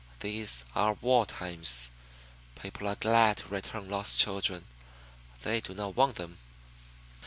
These are war times. People are glad to return lost children. They do not want them.